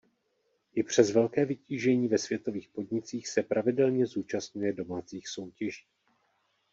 I přes velké vytížení ve světových podnicích se pravidelně zúčastňuje domácích soutěží.